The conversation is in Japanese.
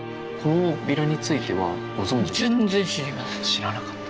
知らなかった。